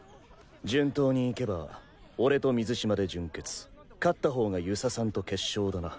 順当にいけば俺と水嶋で準決勝ったほうが遊佐さんと決勝だな。